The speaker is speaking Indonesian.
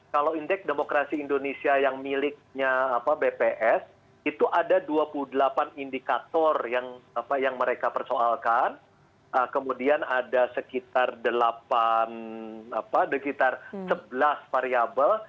kalau indeks demokrasi indonesia yang miliknya bps itu ada dua puluh delapan indikator yang mereka persoalkan kemudian ada sekitar sebelas variable